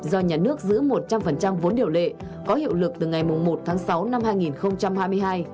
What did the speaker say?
do nhà nước giữ một trăm linh vốn điều lệ có hiệu lực từ ngày một tháng sáu năm hai nghìn hai mươi hai